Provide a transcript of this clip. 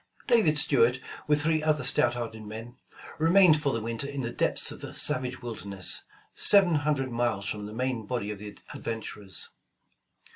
David Stuart, with three other stout hearted men, remained for the winter in the depths of a savage wilderness, seven hundred miles from the main body of the ad venturers.